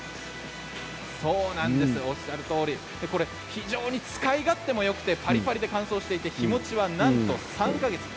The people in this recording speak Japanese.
そうなんですよおっしゃるとおり非常に使い勝手もよくてパリパリで乾燥していて日もちは、なんと３か月。